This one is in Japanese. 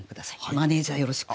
マネージャーよろしく。